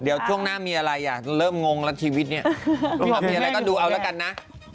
เดี๋ยวช่วงหน้ามีอะไรอยากจะเริ่มงงแล้วชีวิตเนี่ยมีอะไรก็ดูเอาแล้วกันนะ